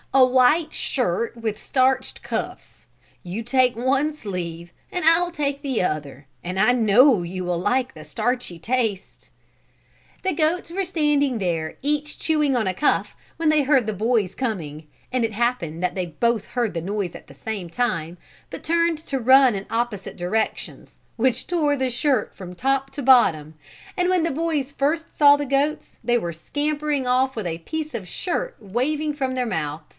A white shirt with starched cuffs. You take one sleeve and I will take the other and I know you will like the starchy taste." The goats were standing there each chewing on a cuff when they heard the boys coming and it happened that they both heard the noise at the same time, but turned to run in opposite directions which tore the shirt from top to bottom and when the boys first saw the goats they were scampering off with a piece of shirt waving from their mouths.